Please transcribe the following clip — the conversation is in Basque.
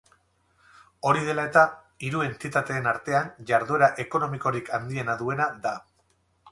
Hori dela-eta, hiru entitateen artean jarduera ekonomikorik handiena duena da.